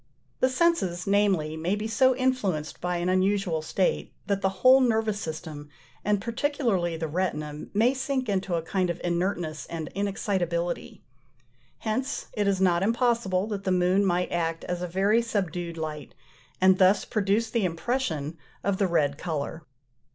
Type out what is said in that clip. The senses, namely, may be so influenced by an unusual state, that the whole nervous system, and particularly the retina, may sink into a kind of inertness and inexcitability. Hence it is not impossible that the moon might act as a very subdued light, and thus produce the impression of the red colour.